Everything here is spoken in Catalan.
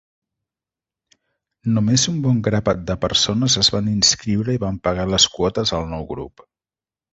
Només un bon grapat de persones es van inscriure i van pagar les quotes al nou grup.